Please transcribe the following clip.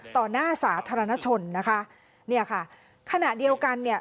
ต่อหน้าสาธารณชนนะคะเนี่ยค่ะขณะเดียวกันเนี่ย